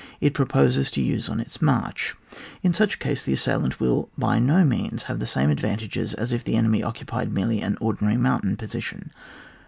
it proposes to use on its march : in such a case, the assailant will by no means have the same advan tages as if the enemy occupied merely an ordinary mountain position.